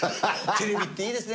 テレビっていいですね